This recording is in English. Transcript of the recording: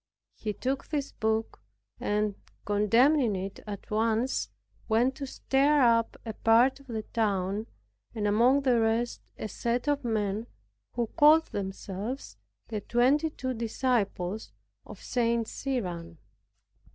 He took this book, and condemning it at once, went to stir up a part of the town, and among the rest a set of men who called themselves the seventy two disciples of St. Cyran.